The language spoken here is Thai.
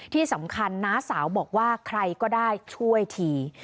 ที่สำคัญน้าสาวบอกว่าใครก็ได้ช่วยที